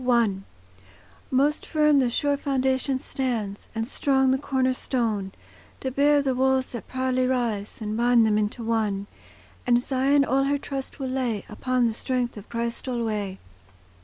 I Most firm the sure foundation stands, And strong the corner stone, To bear the walls that proudly rise, And bind them into one; And Zion all her trust will lay Upon the strength of Christ alway.